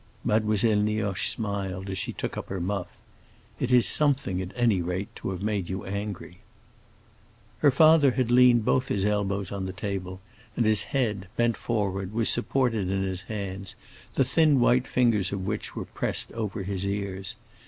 Mademoiselle Nioche smiled as she took up her muff. "It is something, at any rate, to have made you angry." Her father had leaned both his elbows on the table, and his head, bent forward, was supported in his hands, the thin white fingers of which were pressed over his ears.